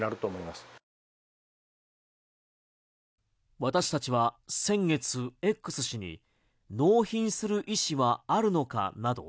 私たちは先月Ｘ氏に、納品する意思はあるのかなど